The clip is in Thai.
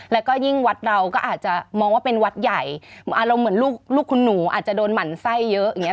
แล้วก็ยิ่งวัดเราก็อาจจะมองว่าเป็นวัดใหญ่อารมณ์เหมือนลูกคุณหนูอาจจะโดนหมั่นไส้เยอะอย่างเงี้